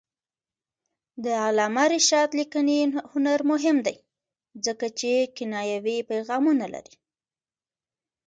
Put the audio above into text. د علامه رشاد لیکنی هنر مهم دی ځکه چې کنایوي پیغامونه لري.